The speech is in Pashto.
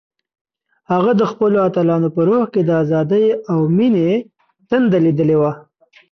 هغه د خپلو اتلانو په روح کې د ازادۍ او مینې تنده لیدلې وه.